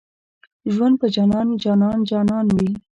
ژوند په جانان وي جانان جانان وي